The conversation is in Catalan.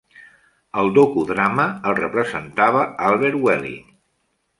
Al docudrama, el representava Albert Welling.